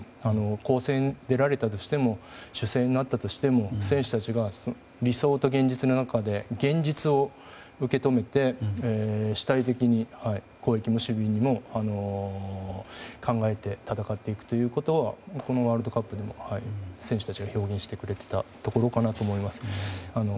攻勢に出られたとしても守勢になったとしても選手たちが理想と現実の中で現実を受け止めて主体的に攻撃にも守備にも考えて戦っていくということはこのワールドカップでも選手たちが表現してくれていたところだと思います。